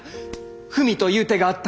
文という手があった。